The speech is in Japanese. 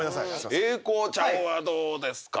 英孝ちゃんはどうですか？